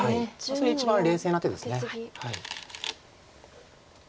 それが一番冷静な手です。